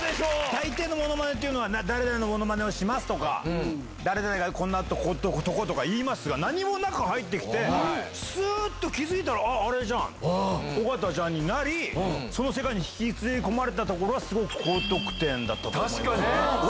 大抵のものまねっていうのは、誰々のものまねをしますとか、誰々がこんなとことか言いますが、何もなく入ってきて、すーっと気付いたら、ああ、あれじゃん、尾形じゃんになり、その世界に引きずり込まれたところが、すごく確かに。